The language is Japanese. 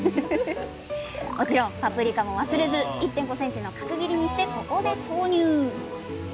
もちろんパプリカも忘れず１．５ｃｍの角切りにしてここで投入！